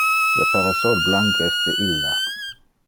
Le parasol blanc es de illa.